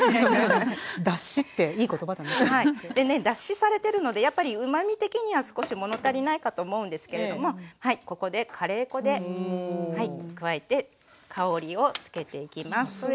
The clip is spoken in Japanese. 脱脂されてるのでやっぱりうまみ的には少し物足りないかと思うんですけれどもここでカレー粉で加えて香りをつけていきます。